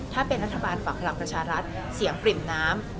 ถ้าเป็นรัฐบาลฝั่งพลังประชารัฐเสียงปริ่มน้ำ